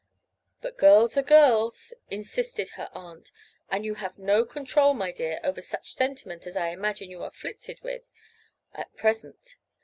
"But girls are girls," insisted her aunt, "and you have no control, my dear, over such sentiment as I imagine you are afflicted with at present.